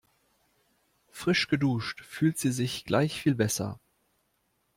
Frisch geduscht fühlt sie sich gleich viel besser.